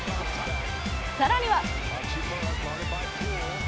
さらには。